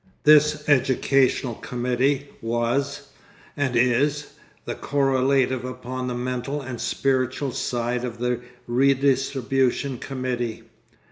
This educational committee was, and is, the correlative upon the mental and spiritual side of the redistribution committee.